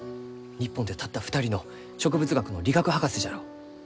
日本でたった２人の植物学の理学博士じゃろう！